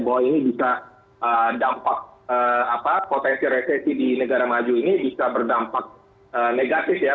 bahwa ini bisa dampak potensi resesi di negara maju ini bisa berdampak negatif ya